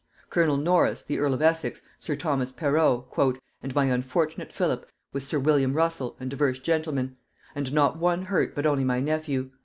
Colonel Norris, the earl of Essex, sir Thomas Perrot; "and my unfortunate Philip, with sir William Russell, and divers gentlemen; and not one hurt but only my nephew.